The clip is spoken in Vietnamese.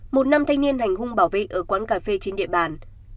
một nam thanh niên hành hung bảo vệ ở quán cà phê trên địa bàn